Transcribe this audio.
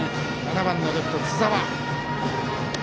７番のレフト、津澤。